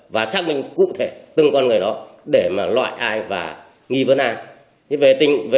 và xác minh cụ thể từng con người đó để loại ai và nghi vấn ai